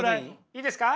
いいですか？